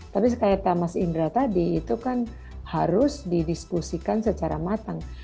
tapi sekayata mas indra tadi itu kan harus didiskusikan secara matang